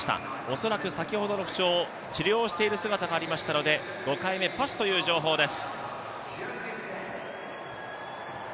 恐らく先ほどの不調を治療している姿がありましたので、５回目、パスという情報です。